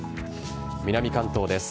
南関東です。